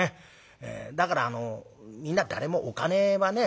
だからみんな誰もお金はね